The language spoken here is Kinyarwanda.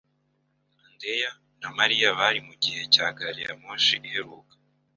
Andeya na Mariya bari mugihe cya gari ya moshi iheruka.